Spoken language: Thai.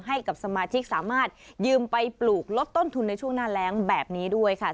ให้กับสมาชิกสามารถยืมไปปลูกลดต้นทุนในช่วงหน้าแรงแบบนี้ด้วยค่ะ